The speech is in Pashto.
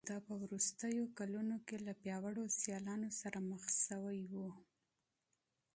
دا په وروستیو کلونو کې له پیاوړو سیالانو سره مخ شوی و